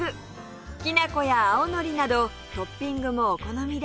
きな粉や青のりなどトッピングもお好みで